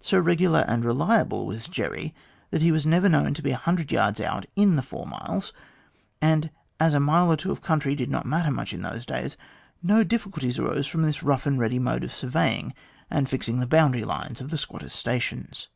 So regular and reliable was Jerry, that he was never known to be a hundred yards out in the four miles, and as a mile or two of country did not matter much in those days, no difficulties arose from this rough and ready mode of surveying and fixing the boundary lines of the squatters' stations."